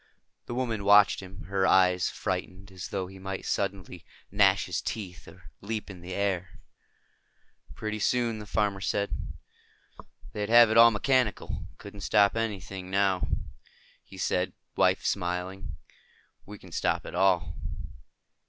The woman watched him, her eyes frightened as though he might suddenly gnash his teeth or leap in the air. "Pretty soon," the farmer said, "they'd have it all mechanical. Couldn't stop anything. Now," he said, smiling at his wife, "we can stop it all."